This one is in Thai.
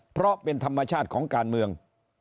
เพราะเป็นธรรมชาติของการเมือง